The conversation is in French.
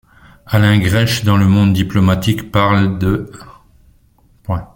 Alain Gresh dans le Monde diplomatique parle d'.